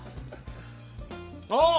ああ！